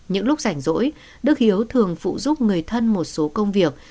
những lúc rảnh rỗi đức hiếu thường phụ giúp người thân một số công việc